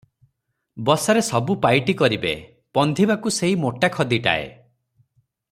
ବସାରେ ସବୁ ପାଇଟି କରିବେ, ପନ୍ଧିବାକୁ ସେଇ ମୋଟା ଖଦିଟାଏ ।